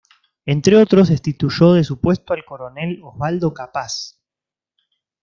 Entre otros, destituyó de su puesto al coronel Osvaldo Capaz.